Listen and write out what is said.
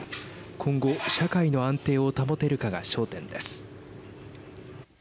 今後、社会の安定を保てるかが焦点です。